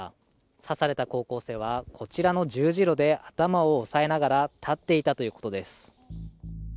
刺された高校生はこちらの十字路で頭を押さえながら立っていたということです。